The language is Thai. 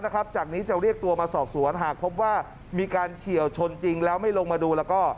จากนี้จะเรียกตัวมาสอบสวนหากพบว่ามีการเฉียวชนจริงแล้วไม่ลงมาดูแล้วก็